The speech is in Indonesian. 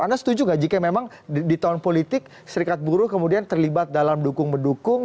anda setuju nggak jika memang di tahun politik serikat buruh kemudian terlibat dalam dukung mendukung